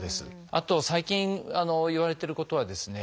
あと最近いわれてることはですね